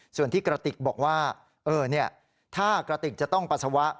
ส่วนที่กระติกบอกว่าถ้ากระติกจะต้องปัสสาวะ